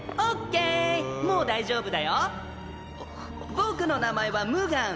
僕の名前はムガン。